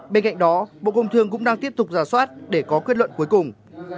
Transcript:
bên cạnh đó bộ công thương cũng đang tiếp tục giả soát để có kết luận cuối cùng